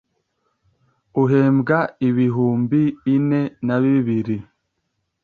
uhembwa ibihumbi ine nabibiri